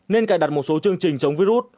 nên cài đặt một số chương trình chống virus